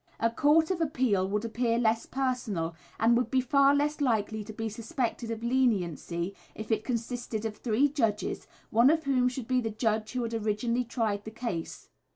A court of appeal would appear less personal, and would be far less likely to be suspected of leniency if it consisted of three judges, one of whom should be the judge who had originally tried the case.